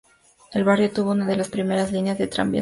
El barrio tuvo una de las primeras líneas de tranvías madrileños.